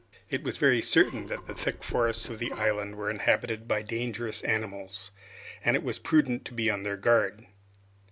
It was very certain that the thick forests of the island were inhabited by dangerous animals, and it was prudent to be on their guard.